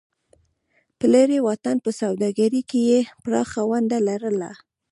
په لرې واټن په سوداګرۍ کې یې پراخه ونډه لرله.